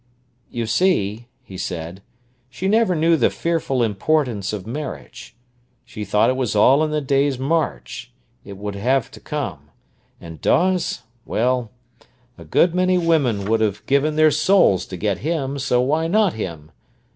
"You see," he said, "she never knew the fearful importance of marriage. She thought it was all in the day's march—it would have to come—and Dawes—well, a good many women would have given their souls to get him; so why not him?